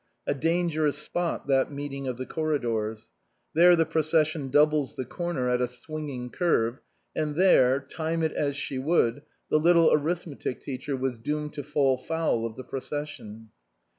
A dangerous spot that meeting of the corridors. There the procession doubles the corner at a swinging curve, and there, time it as she would, the little arithmetic teacher was doomed to fall foul of the proces sion.